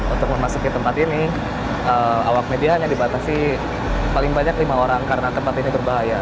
untuk memasuki tempat ini awak media hanya dibatasi paling banyak lima orang karena tempat ini berbahaya